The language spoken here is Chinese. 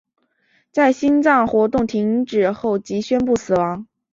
在心脏活动停止后即宣布死亡。